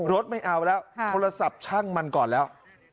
ไม่เอาแล้วโทรศัพท์ช่างมันก่อนแล้ว